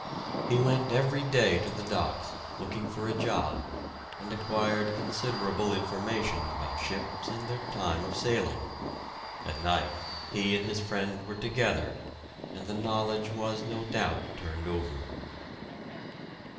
He went every day to the docks, looking for a job, and acquired considerable information about ships and their time of sailing. At night, he and his friend were together, and the knowledge was no doubt turned over.